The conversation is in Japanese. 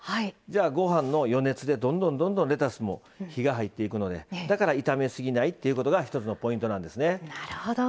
ご飯の余熱で、どんどんレタスに火が入っていくのでだから、炒めすぎないというのが一つのポイントなんですね。